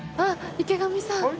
えっ池上さん